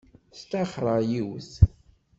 Staxṛeɣ yiwet.